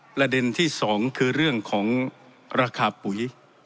ประเด็นที่๒คือเรื่องของราคาปุ๋ย